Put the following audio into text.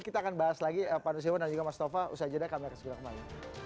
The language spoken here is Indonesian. kita akan bahas lagi pak nusirwan dan juga mas tova usai jeda kami akan segera kembali